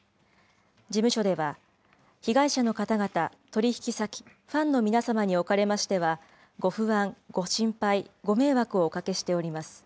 事務所では、被害者の方々、取り引き先、ファンの皆様におかれましては、ご不安、ご心配、ご迷惑をおかけしております。